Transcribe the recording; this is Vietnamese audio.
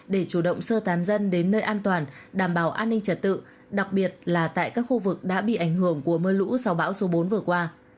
để chủ động sơ tán dân đến nơi an toàn đảm bảo an ninh trật tự đặc biệt là tại các khu vực đã bị ảnh hưởng của mưa lũ sau bão số bốn vừa qua